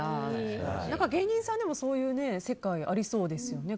芸人さんでもそういう世界ありそうですよね。